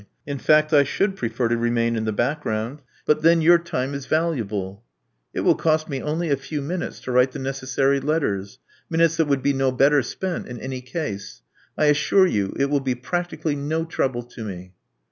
In fact, I should prefer to remain in the background. But then your time is valuable " It will cost me only a few minutes to write the necessary letters — minutes that would be no better spent in any case. I assure you it will be practically no trouble to me."